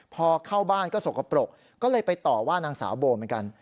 พอเข้าบ้านก็สกปรกก็เลยไปต่อว่านางสาวโบเหมือนกัน